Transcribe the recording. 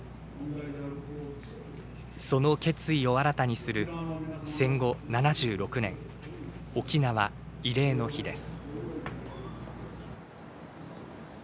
その決意を新たにする戦後７６年、沖縄・慰霊の日です。